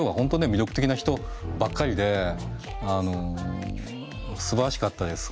魅力的な人ばっかりですばらしかったです